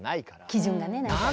基準がねないから。